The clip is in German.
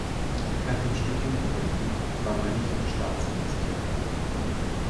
Nach dem Studium in Berlin war Mönnich im Staatsdienst tätig.